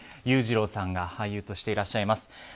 裕次郎さんが俳優としていらっしゃいます。